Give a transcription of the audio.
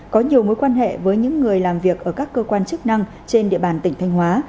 có nhiều mối quan hệ với những người làm việc ở các cơ quan chức năng trên địa bàn tỉnh thanh hóa